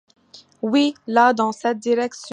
Oui!... là... dans cette direction !